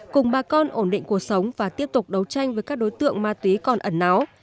cùng bà con ổn định cuộc sống và tiếp tục đấu tranh với các đối tượng ma túy còn ẩn náo